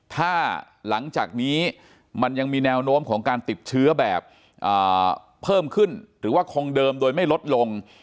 ถ้าหลังจากนี้มันยังมีแนวโน้มของการติดเชื้อแบบเพิ่มขึ้นหรือว่าคงเดิมโดยไม่ลดลง